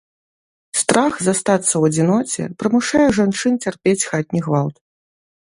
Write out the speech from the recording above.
Страх застацца ў адзіноце прымушае жанчын цярпець хатні гвалт.